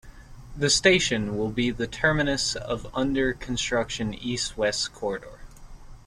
The station will be the terminus of the under-construction East West Corridor.